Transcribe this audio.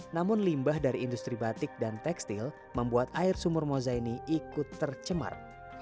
namun limbah dari industri batik dan tekstil membuat air sumur moza ini ikut tercemar